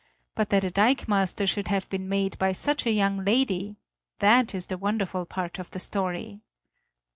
But that a dikemaster should have been made by such a young lady that is the wonderful part of this story!"